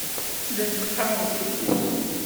Llant qqarent idlisen.